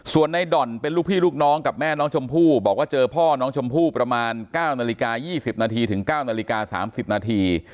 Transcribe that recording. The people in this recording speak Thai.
ส่วนในด่อนเป็นลูกพี่ลูกน้องกับแม่น้องชมพู่บอกว่าเจอพ่อน้องชมพู่ประมาณ๙นาฬิกา๒๐นาทีถึง๙นาฬิกา๓๐นาที